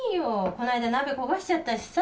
この間鍋焦がしちゃったしさ。